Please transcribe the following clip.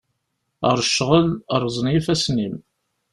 Ɣer ccɣel, rẓen yifassen-im.